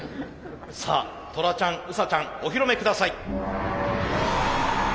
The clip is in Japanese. さあトラちゃんウサちゃんお披露目下さい。